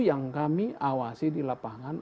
yang kami awasi di lapangan